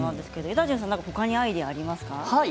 エダジュンさんほかにアイデアありますか。